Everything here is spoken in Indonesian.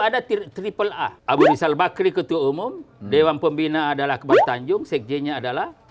ada triple a abu rizal bakri ketua umum dewan pembina adalah akbar tanjung sekjennya adalah